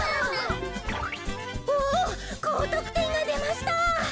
おこうとくてんがでました。